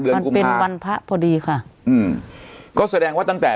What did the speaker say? เดือนกุมภามันเป็นวันพระพอดีค่ะอืมก็แสดงว่าตั้งแต่